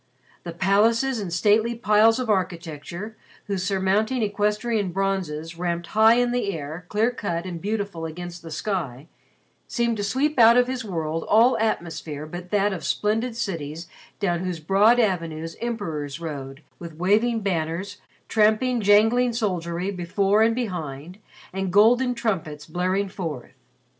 The palaces and stately piles of architecture, whose surmounting equestrian bronzes ramped high in the air clear cut and beautiful against the sky, seemed to sweep out of his world all atmosphere but that of splendid cities down whose broad avenues emperors rode with waving banners, tramping, jangling soldiery before and behind, and golden trumpets blaring forth.